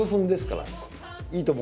「いいとも！」